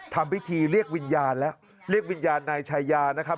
ทำพิธีเรียกวิญญาณแล้วเรียกวิญญาณนายชายานะครับ